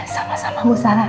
sama sama bu sarah